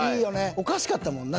おかしかったもんな